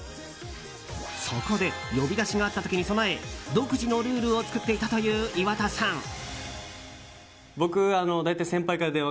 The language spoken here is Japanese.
そこで呼び出しがあった時に備え独自のルールを作っていたという岩田さん。